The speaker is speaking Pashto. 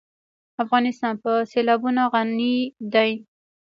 افغانستان په سیلابونه غني دی.